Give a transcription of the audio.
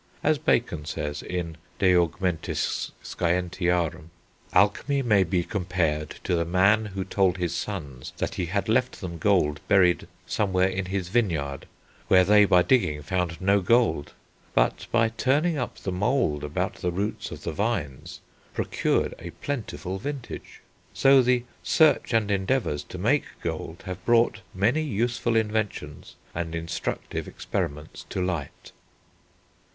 As Bacon says, in De Augmentis Scientiarum: "Alchemy may be compared to the man who told his sons that he had left them gold buried somewhere in his vineyard; where they by digging found no gold, but by turning up the mould about the roots of the vines, procured a plentiful vintage. So the search and endeavours to make gold have brought many useful inventions and instructive experiments to light."